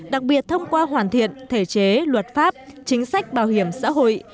đặc biệt thông qua hoàn thiện thể chế luật pháp chính sách bảo hiểm xã hội